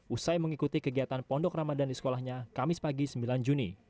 usai mengikuti kegiatan pondok ramadan di sekolahnya kamis pagi sembilan juni